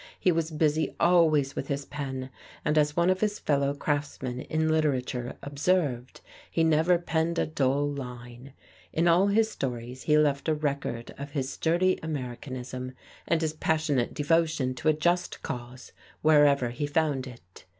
He was busy always with his pen, and, as one of his fellow craftsmen in literature observed, he "never penned a dull line." In all his stories he left a record of his sturdy Americanism and his passionate devotion to a just cause, wherever he found it.